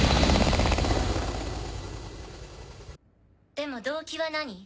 でも動機は何？